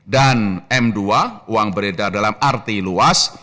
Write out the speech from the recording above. dan m dua uang beredar dalam arti luas